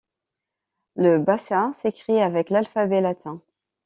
Le bassa s’écrit avec l’alphabet latin.